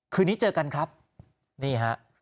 คืนนี้เจอกันครับนี่ฮะ